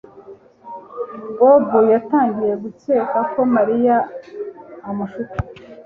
Bobo yatangiye gukeka ko Mariya amushuka